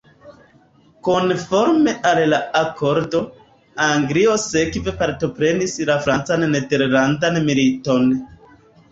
Konforme al la akordo, Anglio sekve partoprenis la Francan-Nederlandan militon.